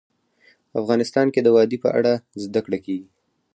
افغانستان کې د وادي په اړه زده کړه کېږي.